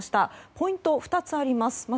ポイントが２つありまして